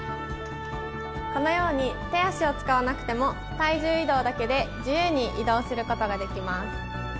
このように手足を使わなくても体重移動だけで自由に移動することができます。